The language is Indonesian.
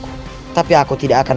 kau sudah menguasai ilmu karang